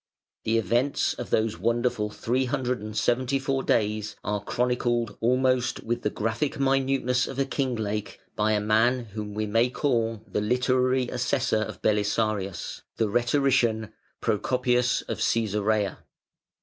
The events of those wonderful 374 days are chronicled almost with the graphic minuteness of a Kinglake by a man whom we may call the literary assessor of Belisarius, the rhetorician Procopius of Cæsarea.